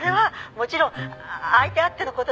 「もちろん相手あっての事だから」